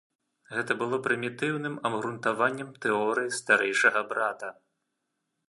Гэта было прымітыўным абгрунтаваннем тэорыі старэйшага брата.